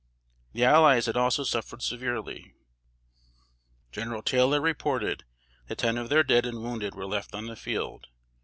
The allies had also suffered severely. General Taylor reported that ten of their dead and wounded were left on the field.